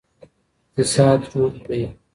اقتصاد جوړ کړئ.